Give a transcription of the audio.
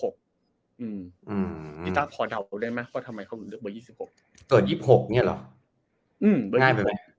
เกิด๒๖เนี่ยเหรอ